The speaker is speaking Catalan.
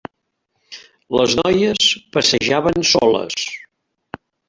Les noies passejaven soles.